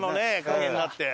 陰になって。